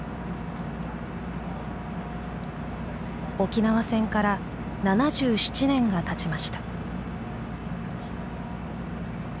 沖縄戦から７７年がたちました。